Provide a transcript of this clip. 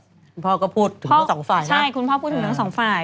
คุณพ่อก็พูดถึงทั้งสองฝ่ายใช่คุณพ่อพูดถึงทั้งสองฝ่าย